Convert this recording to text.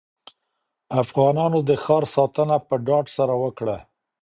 افغانانو د ښار ساتنه په ډاډ سره وکړه.